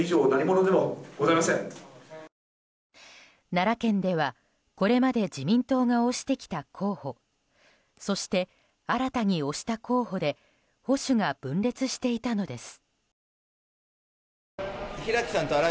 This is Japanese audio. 奈良県ではこれまで自民党が推してきた候補そして新たに推した候補で保守が分裂していたのです。